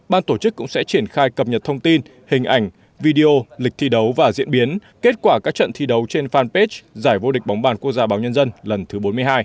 ban tổ chức cũng sẽ triển khai cập nhật thông tin hình ảnh video lịch thi đấu và diễn biến kết quả các trận thi đấu trên fanpage giải vô địch bóng bàn quốc gia báo nhân dân lần thứ bốn mươi hai